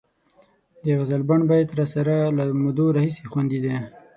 د غزلبڼ بیت راسره له مودو راهیسې خوندي دی.